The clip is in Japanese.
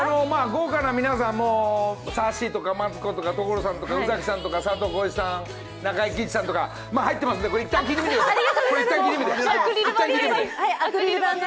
豪華な皆さん、さっしーとかマツコとか所さんとか宇崎さんとか、佐藤浩市さん、中井貴一さんとか入ってますが、一回聴いてみてください。